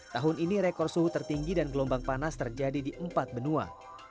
tahun ini rekor suhu tertinggi dan gelombang panas terjadi di empat benua